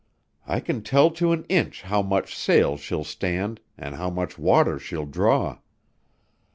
I can tell to an inch how much sail she'll stand an' how much water she'll draw.